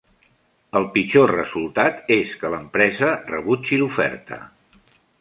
El pitjor resultat és que l'empresa rebutgi l'oferta.